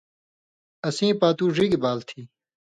اسیں پاتو ڙِگیۡ بال تھی